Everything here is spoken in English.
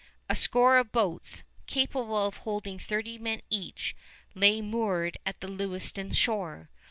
A score of boats, capable of holding thirty men each, lay moored at the Lewiston shore.